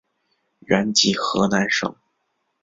原籍河南省。